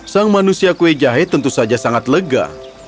sang manusia kue jahe tentu saja sangat lega